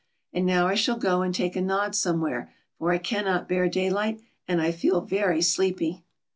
And now I shall go and take a nod somewhere, for I cannot bear daylight, and I feel very sleepy."